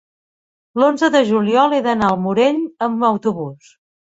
l'onze de juliol he d'anar al Morell amb autobús.